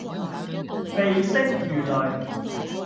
鼻息如雷